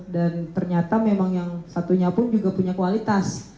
ternyata memang yang satunya pun juga punya kualitas